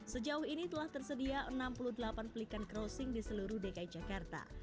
sejauh ini telah tersedia enam puluh delapan pelikan crossing di seluruh dki jakarta